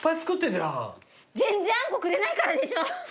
全然あんこくれないからでしょ！